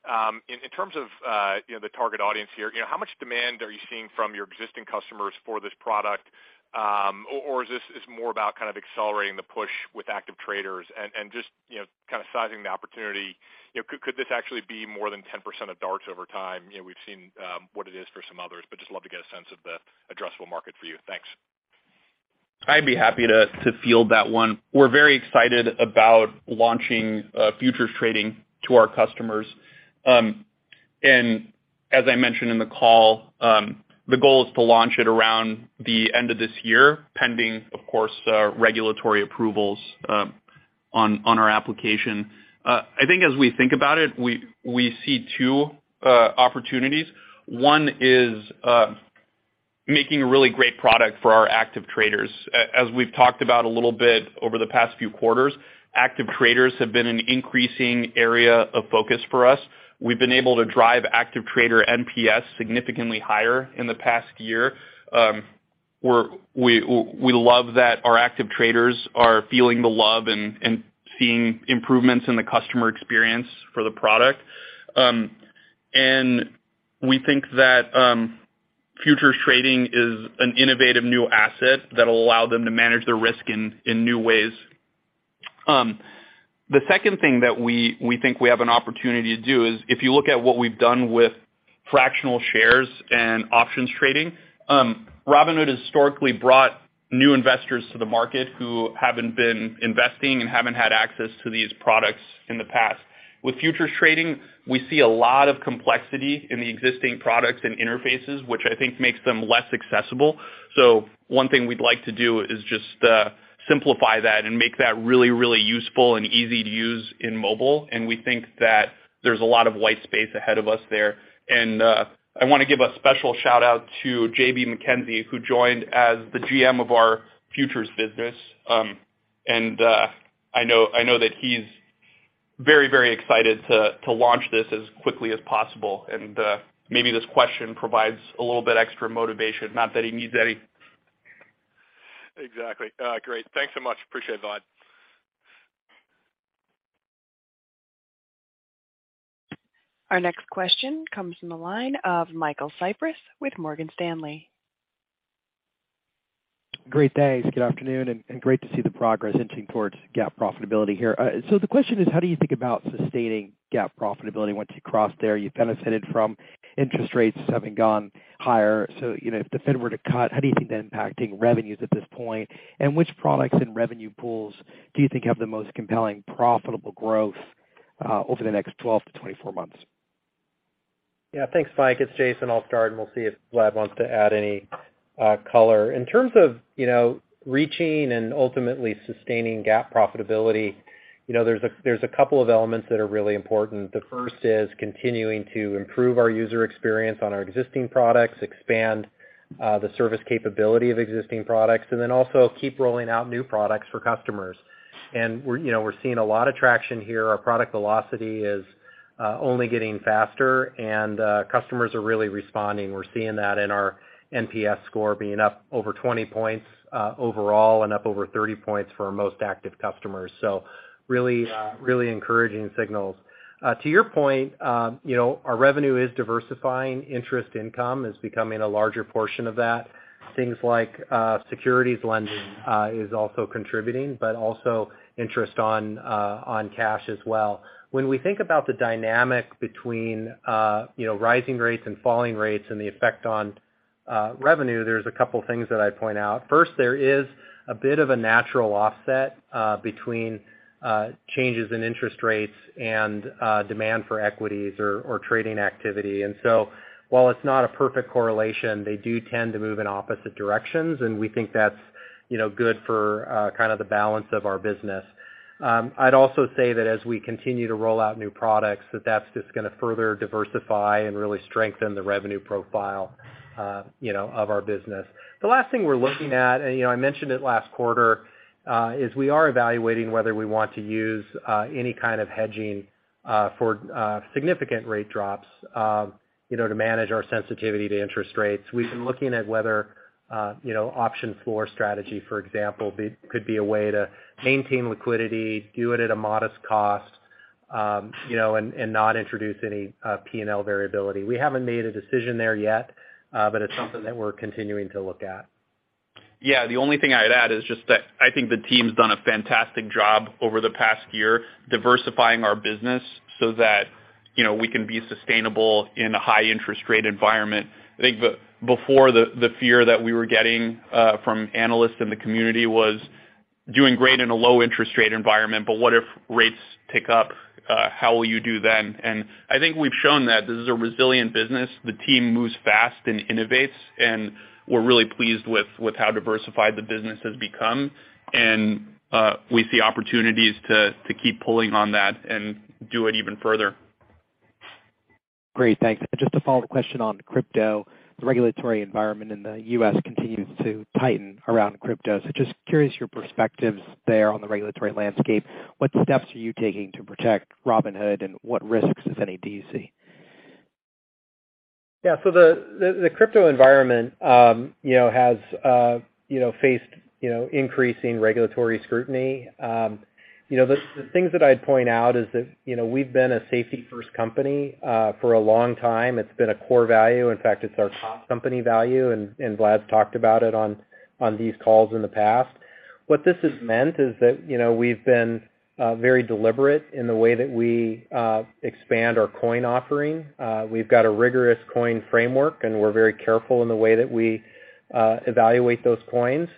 [SPEAKER 8] business. In terms of, you know, the target audience here, you know, how much demand are you seeing from your existing customers for this product? Or is this more about kind of accelerating the push with active traders and just, you know, kind of sizing the opportunity. You know, could this actually be more than 10% of DARTs over time? You know, we've seen what it is for some others, but just love to get a sense of the addressable market for you. Thanks.
[SPEAKER 3] I'd be happy to field that one. We're very excited about launching futures trading to our customers. As I mentioned in the call, the goal is to launch it around the end of this year, pending, of course, regulatory approvals on our application. I think as we think about it, we see two opportunities. One is making a really great product for our active traders. As we've talked about a little bit over the past few quarters, active traders have been an increasing area of focus for us. We've been able to drive active trader NPS significantly higher in the past year. We love that our active traders are feeling the love and seeing improvements in the customer experience for the product. We think that futures trading is an innovative new asset that will allow them to manage their risk in new ways. The second thing that we think we have an opportunity to do is if you look at what we've done with fractional shares and options trading, Robinhood historically brought new investors to the market who haven't been investing and haven't had access to these products in the past. With futures trading, we see a lot of complexity in the existing products and interfaces, which I think makes them less accessible. One thing we'd like to do is just simplify that and make that really, really useful and easy to use in mobile, and we think that there's a lot of white space ahead of us there. I wanna give a special shout-out to JB Mackenzie, who joined as the GM of our futures business. I know that he's very excited to launch this as quickly as possible. Maybe this question provides a little bit extra motivation, not that he needs any.
[SPEAKER 8] Exactly. Great. Thanks so much. Appreciate it, Vlad.
[SPEAKER 1] Our next question comes from the line of Michael Cyprys with Morgan Stanley.
[SPEAKER 9] Great, thanks. Good afternoon, and great to see the progress inching towards GAAP profitability here. The question is, how do you think about sustaining GAAP profitability once you cross there? You've kind of hinted from interest rates having gone higher. You know, if the Fed were to cut, how do you think that impacting revenues at this point? Which products and revenue pools do you think have the most compelling profitable growth over the next 12-24 months?
[SPEAKER 4] Yeah. Thanks, Mike. It's Jason. I'll start. We'll see if Vlad wants to add any color. In terms of, you know, reaching and ultimately sustaining GAAP profitability, you know, there's a couple of elements that are really important. The first is continuing to improve our user experience on our existing products, expand the service capability of existing products, then also keep rolling out new products for customers. We're, you know, we're seeing a lot of traction here. Our product velocity is only getting faster. Customers are really responding. We're seeing that in our NPS score being up over 20 points overall and up over 30 points for our most active customers. Really, really encouraging signals. To your point, you know, our revenue is diversifying. Interest income is becoming a larger portion of that. Things like securities lending is also contributing, but also interest on cash as well. When we think about the dynamic between, you know, rising rates and falling rates and the effect on revenue, there's a couple things that I'd point out. First, there is a bit of a natural offset between changes in interest rates and demand for equities or trading activity. While it's not a perfect correlation, they do tend to move in opposite directions, and we think that's, you know, good for kind of the balance of our business. I'd also say that as we continue to roll out new products, that that's just gonna further diversify and really strengthen the revenue profile. you know, of our business. The last thing we're looking at, and, you know, I mentioned it last quarter, is we are evaluating whether we want to use any kind of hedging for significant rate drops, you know, to manage our sensitivity to interest rates. We've been looking at whether, you know, options floor strategy, for example, could be a way to maintain liquidity, do it at a modest cost, you know, and not introduce any P&L variability. We haven't made a decision there yet, it's something that we're continuing to look at.
[SPEAKER 3] Yeah. The only thing I'd add is just that I think the team's done a fantastic job over the past year diversifying our business so that, you know, we can be sustainable in a high interest rate environment. I think the, before the fear that we were getting from analysts in the community was doing great in a low interest rate environment, but what if rates tick up, how will you do then? I think we've shown that this is a resilient business. The team moves fast and innovates, and we're really pleased with how diversified the business has become. We see opportunities to keep pulling on that and do it even further.
[SPEAKER 9] Great. Thanks. Just a follow-up question on crypto. The regulatory environment in the U.S. continues to tighten around crypto. Just curious your perspectives there on the regulatory landscape. What steps are you taking to protect Robinhood, and what risks, if any, do you see?
[SPEAKER 4] Yeah. The crypto environment, you know, has, you know, faced, you know, increasing regulatory scrutiny. You know, the things that I'd point out is that, you know, we've been a safety first company for a long time. It's been a core value. In fact, it's our top company value, and Vlad's talked about it on these calls in the past. What this has meant is that, you know, we've been very deliberate in the way that we expand our coin offering. We've got a rigorous coin framework, and we're very careful in the way that we evaluate those coins.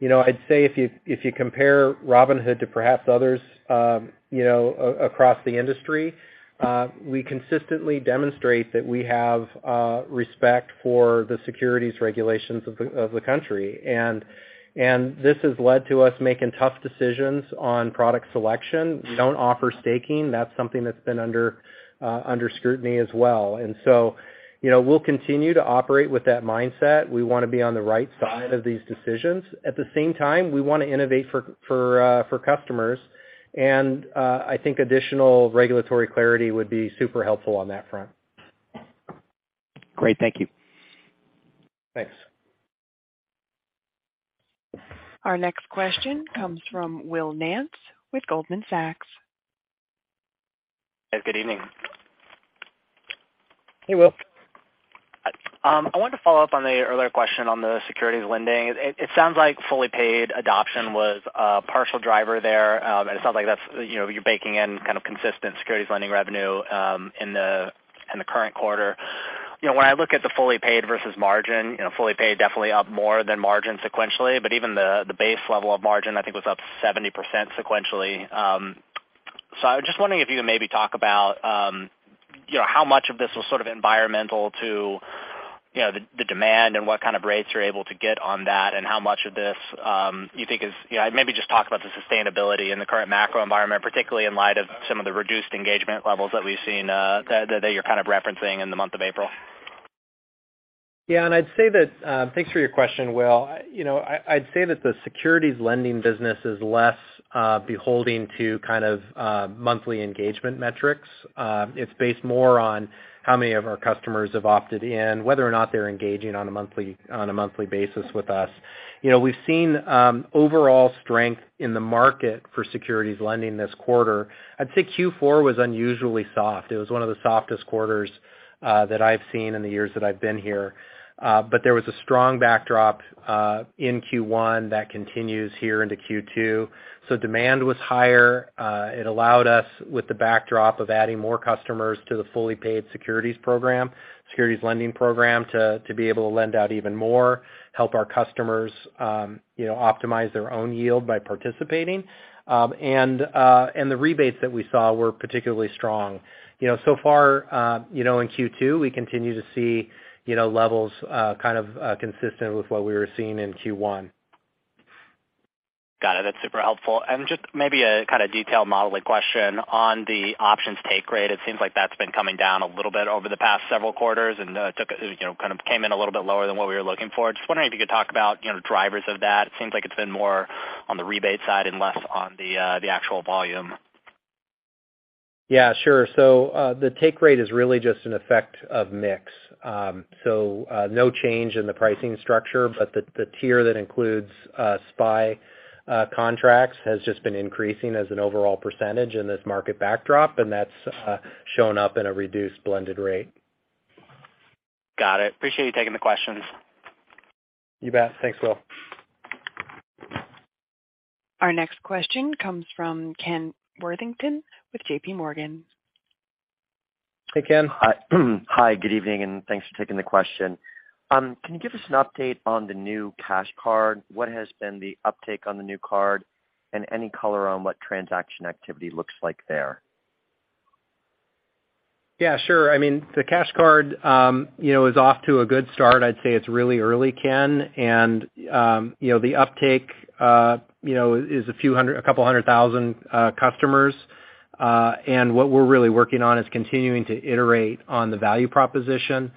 [SPEAKER 4] You know, I'd say if you compare Robinhood to perhaps others, you know, across the industry, we consistently demonstrate that we have respect for the securities regulations of the country. This has led to us making tough decisions on product selection. We don't offer staking. That's something that's been under scrutiny as well. You know, we'll continue to operate with that mindset. We wanna be on the right side of these decisions. At the same time, we wanna innovate for customers. I think additional regulatory clarity would be super helpful on that front.
[SPEAKER 9] Great. Thank you.
[SPEAKER 4] Thanks.
[SPEAKER 1] Our next question comes from Will Nance with Goldman Sachs.
[SPEAKER 10] Good evening.
[SPEAKER 4] Hey, Will.
[SPEAKER 10] I wanted to follow up on the earlier question on the securities lending. It sounds like fully paid adoption was a partial driver there. It sounds like that's, you know, you're baking in kind of consistent securities lending revenue in the current quarter. You know, when I look at the fully paid versus margin, you know, fully paid definitely up more than margin sequentially, but even the base level of margin I think was up 70% sequentially. I was just wondering if you could maybe talk about, you know, how much of this was sort of environmental to, you know, the demand and what kind of rates you're able to get on that, and how much of this, you think is, you know? Maybe just talk about the sustainability in the current macro environment, particularly in light of some of the reduced engagement levels that we've seen, that you're kind of referencing in the month of April.
[SPEAKER 4] Yeah. I'd say that... Thanks for your question, Will. You know, I'd say that the securities lending business is less beholding to kind of monthly engagement metrics. It's based more on how many of our customers have opted in, whether or not they're engaging on a monthly basis with us. You know, we've seen overall strength in the market for securities lending this quarter. I'd say Q4 was unusually soft. It was one of the softest quarters that I've seen in the years that I've been here. There was a strong backdrop in Q1 that continues here into Q2. Demand was higher. It allowed us, with the backdrop of adding more customers to the fully paid securities program, securities lending program, to be able to lend out even more, help our customers, you know, optimize their own yield by participating. The rebates that we saw were particularly strong. You know, so far, you know, in Q2, we continue to see, you know, levels, kind of consistent with what we were seeing in Q1.
[SPEAKER 10] Got it. That's super helpful. Just maybe a kind of detailed modeling question on the options take rate. It seems like that's been coming down a little bit over the past several quarters and took, you know, kind of came in a little bit lower than what we were looking for. Just wondering if you could talk about, you know, drivers of that. It seems like it's been more on the rebate side and less on the actual volume.
[SPEAKER 4] Yeah, sure. The take rate is really just an effect of mix. No change in the pricing structure, but the tier that includes SPY contracts has just been increasing as an overall % in this market backdrop, and that's shown up in a reduced blended rate.
[SPEAKER 10] Got it. Appreciate you taking the questions.
[SPEAKER 4] You bet. Thanks, Will.
[SPEAKER 1] Our next question comes from Ken Worthington with J.P. Morgan.
[SPEAKER 4] Hey, Ken.
[SPEAKER 11] Hi. Good evening, and thanks for taking the question. Can you give us an update on the new Cash Card? What has been the uptake on the new card? Any color on what transaction activity looks like there?
[SPEAKER 4] Yeah, sure. I mean, the Cash Card, you know, is off to a good start. I'd say it's really early, Ken. The uptake, you know, is a few hundred... a couple hundred thousand customers. What we're really working on is continuing to iterate on the value proposition.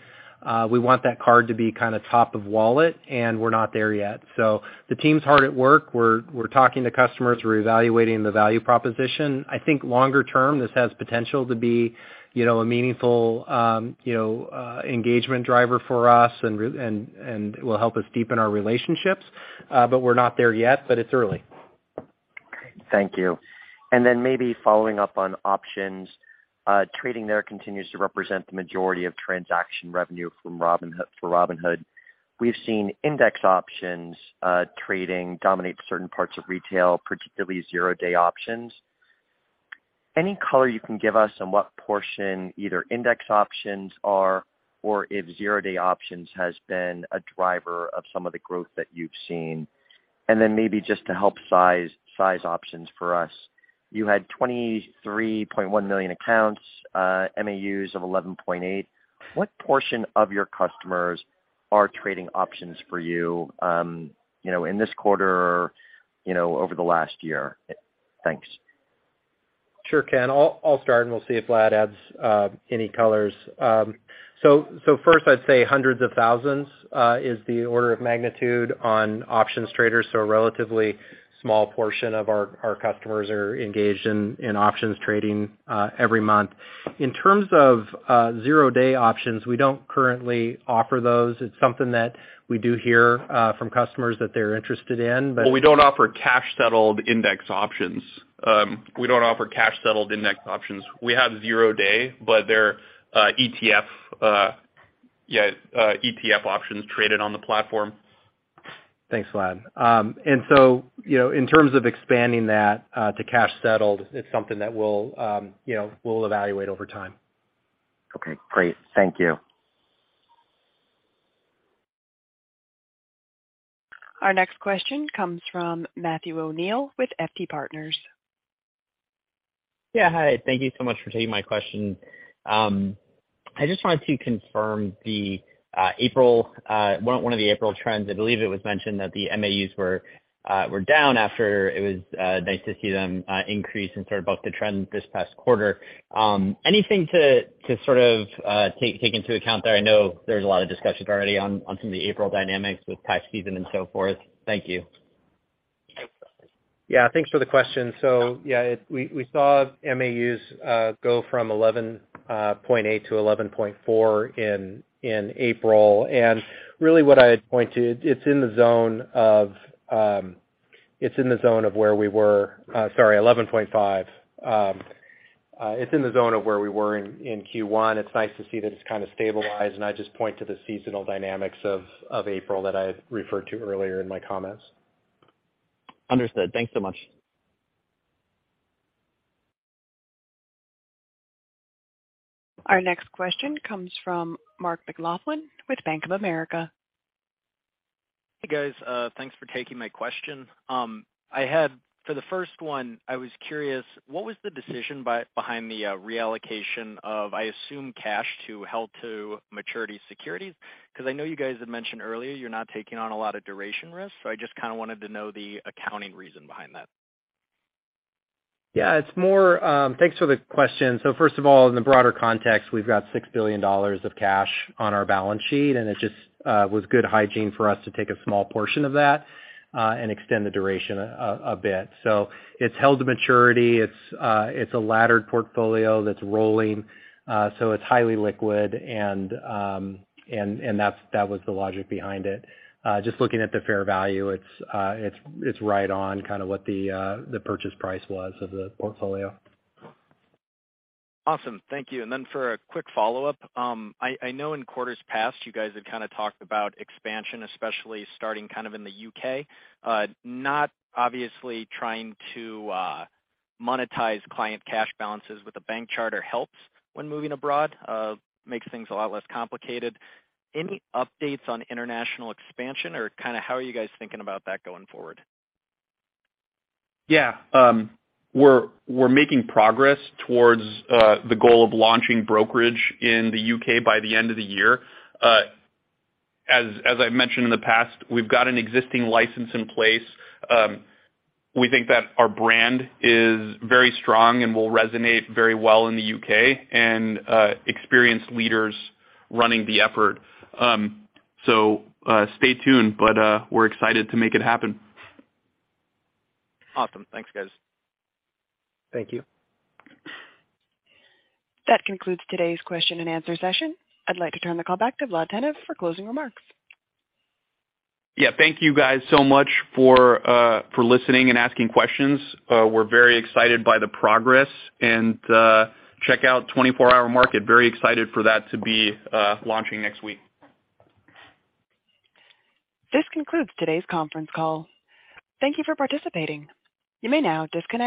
[SPEAKER 4] We want that card to be kinda top of wallet, and we're not there yet. The team's hard at work. We're talking to customers. We're evaluating the value proposition. I think longer term, this has potential to be, you know, a meaningful, you know, engagement driver for us and will help us deepen our relationships. We're not there yet, but it's early.
[SPEAKER 11] Thank you. Then maybe following up on options, trading there continues to represent the majority of transaction revenue from Robinhood, for Robinhood. We've seen index options, trading dominate certain parts of retail, particularly zero-day options. Any color you can give us on what portion either index options are or if zero-day options has been a driver of some of the growth that you've seen? Then maybe just to help size options for us, you had 23.1 million accounts, MAUs of 11.8. What portion of your customers are trading options for you know, in this quarter, you know, over the last year? Thanks.
[SPEAKER 4] Sure, Ken. I'll start, and we'll see if Vlad adds any colors. first, I'd say hundreds of thousands is the order of magnitude on options traders. A relatively small portion of our customers are engaged in options trading every month. In terms of zero day options, we don't currently offer those. It's something that we do hear from customers that they're interested in.
[SPEAKER 3] Well, we don't offer cash-settled index options. We have zero day, but they're ETF, yeah, ETF options traded on the platform.
[SPEAKER 4] Thanks, Vlad. You know, in terms of expanding that, to cash-settled, it's something that we'll, you know, we'll evaluate over time.
[SPEAKER 11] Okay, great. Thank you.
[SPEAKER 1] Our next question comes from Matthew O'Neill with FT Partners.
[SPEAKER 12] Hi. Thank you so much for taking my question. I just wanted to confirm the April, one of the April trends. I believe it was mentioned that the MAUs were down after it was nice to see them increase and sort of buck the trend this past quarter. Anything to sort of take into account there? I know there's a lot of discussions already on some of the April dynamics with tax season and so forth. Thank you.
[SPEAKER 4] Yeah. Thanks for the question. Yeah, we saw MAUs go from 11.8 to 11.4 in April. Really what I had pointed, it's in the zone of, it's in the zone of where we were, sorry, 11.5. It's in the zone of where we were in Q1. It's nice to see that it's kinda stabilized, and I just point to the seasonal dynamics of April that I referred to earlier in my comments.
[SPEAKER 12] Understood. Thanks so much.
[SPEAKER 1] Our next question comes from Mark McLaughlin with Bank of America.
[SPEAKER 13] Hey, guys. Thanks for taking my question. I had, for the first one, I was curious, what was the decision behind the reallocation of, I assume, cash to held-to-maturity securities? 'Cause I know you guys had mentioned earlier you're not taking on a lot of duration risk, so I just kinda wanted to know the accounting reason behind that.
[SPEAKER 4] Yeah, it's more. Thanks for the question. First of all, in the broader context, we've got $6 billion of cash on our balance sheet, and it just was good hygiene for us to take a small portion of that and extend the duration a bit. It's held to maturity. It's a laddered portfolio that's rolling, so it's highly liquid and that's, that was the logic behind it. Just looking at the fair value, it's right on kinda what the purchase price was of the portfolio.
[SPEAKER 13] Awesome. Thank you. For a quick follow-up, I know in quarters past you guys have kinda talked about expansion, especially starting kind of in the U.K. Not obviously trying to monetize client cash balances with a bank charter helps when moving abroad, makes things a lot less complicated. Any updates on international expansion or kinda how are you guys thinking about that going forward?
[SPEAKER 3] Yeah. We're making progress towards the goal of launching brokerage in the U.K. by the end of the year. As I've mentioned in the past, we've got an existing license in place. We think that our brand is very strong and will resonate very well in the U.K. and experienced leaders running the effort. Stay tuned, but we're excited to make it happen.
[SPEAKER 13] Awesome. Thanks, guys.
[SPEAKER 4] Thank you.
[SPEAKER 1] That concludes today's question and answer session. I'd like to turn the call back to Vlad Tenev for closing remarks.
[SPEAKER 3] Yeah. Thank you guys so much for for listening and asking questions. We're very excited by the progress. Check out 24 Hour Market. Very excited for that to be launching next week.
[SPEAKER 1] This concludes today's conference call. Thank you for participating. You may now disconnect.